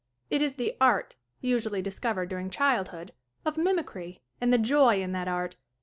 It is the art, usually discovered during childhood, of mim icry, and the joy in that art.